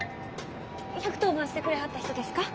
１１０番してくれはった人ですか？